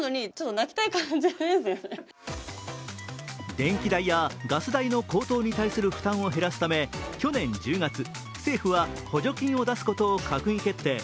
電気代やガス代の高騰に対する負担を減らすため去年１０月、政府は補助金を出すことを閣議決定。